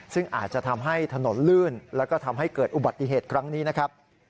ซึ่งอาจจะทำให้ถนนลื่นแล้วก็ทำให้เกิดอุบัติเหตุครั้งนี้นะครับ